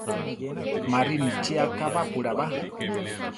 Ma rinichí akabápura ba.